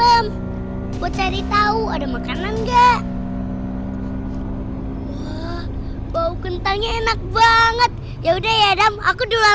adam buat cari tahu ada makanan enggak bau kentang enak banget ya udah ya adam aku duluan